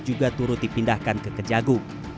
juga turut dipindahkan ke kejagung